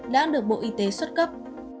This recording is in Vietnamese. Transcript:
đã được bộ y tế xuất cấp